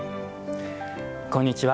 こんにちは。